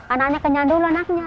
anaknya kenyang dulu anaknya